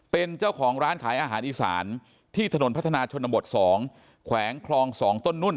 เป็นเจ้าของร้านขายอาหารอีสานที่ถนนพัฒนาชนบท๒แขวงคลอง๒ต้นนุ่น